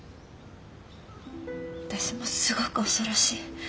私もすごく恐ろしい。